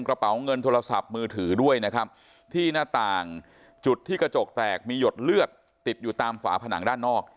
กระเป๋าเงินโทรศัพท์มือถือด้วยนะครับที่หน้าต่างจุดที่กระจกแตกมีหยดเลือดติดอยู่ตามฝาผนังด้านนอก